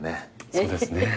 そうですね。